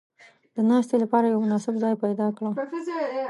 • د ناستې لپاره یو مناسب ځای پیدا کړه.